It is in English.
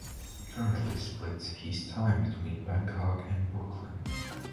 He currently splits his time between Bangkok and Brooklyn.